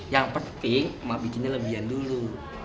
yang penting emak bikinnya lebih an dulu